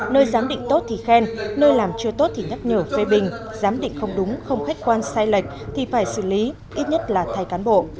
nơi giám định tốt thì khen nơi làm chưa tốt thì nhắc nhở phê bình giám định không đúng không khách quan sai lệch thì phải xử lý ít nhất là thay cán bộ